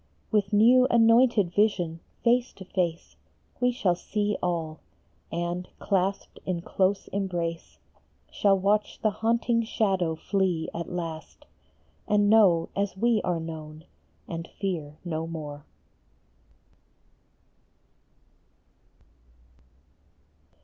With new anointed vision, face to face, We shall see all, and clasped in close embrace Shall watch the haunting shadow flee at last, And know as we are known, and fear no more.